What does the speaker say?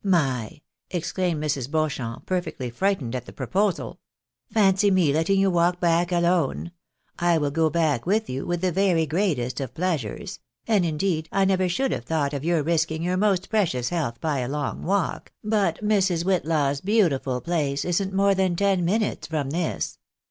" My !" exclaimed Mrs. Beauchamp, perfectly frightened at the proposal. "Fancy me letting you walk back alone! I will go back Avith you with the very greatest of pleasures ; and, indeed, I never should have thought of your risking your most precious health by a long walk, but Mrs. Whitlaw's beautiful place isn't more than ten minutes from this."